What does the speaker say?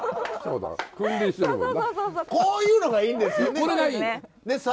こういうのがいいんですよね。